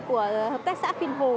của hợp tác xã phìn hồ